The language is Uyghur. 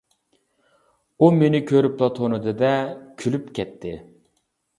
ئۇ مېنى كۆرۈپلا تونۇدى-دە، كۈلۈپ كەتتى.